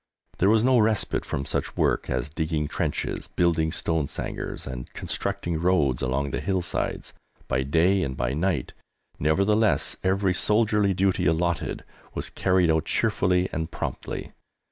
There was no respite from such work as digging trenches, building stone sangars, and constructing roads along the hill sides, by day and by night; nevertheless, every soldierly duty allotted was carried out cheerfully and promptly.